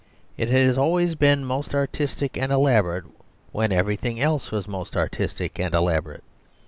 It has always been most artistic and elaborate when everything else was most artistic and elaborate.